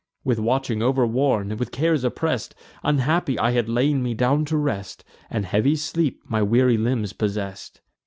With watching overworn, with cares oppress'd, Unhappy I had laid me down to rest, And heavy sleep my weary limbs possess'd.